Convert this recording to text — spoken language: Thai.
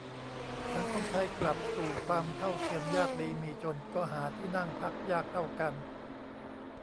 สังคมไทยกลับสู่ความเท่าเทียม ยากดีมีจน ก็หาที่นั่งพักยากเท่ากัน